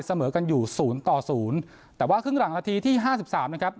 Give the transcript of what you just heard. เสมอกันอยู่ศูนย์ต่อศูนย์แต่ว่าครึ่งหลังนาทีที่ห้าสิบสามนะครับ